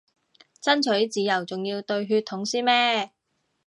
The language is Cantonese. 爭取自由仲要對血統先咩